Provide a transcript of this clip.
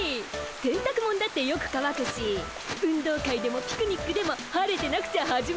せんたくもんだってよくかわくし運動会でもピクニックでも晴れてなくちゃ始まらねえ。